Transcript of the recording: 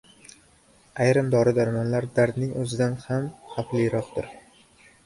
Ayrim dori-darmonlar dardning o‘zidan ko‘ra ham xavfliroqdir.